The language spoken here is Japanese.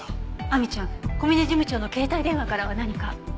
亜美ちゃん小嶺事務長の携帯電話からは何か？